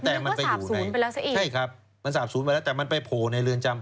แต่มันไปอยู่ศูนย์ไปแล้วซะเองใช่ครับมันสาบศูนย์ไปแล้วแต่มันไปโผล่ในเรือนจำ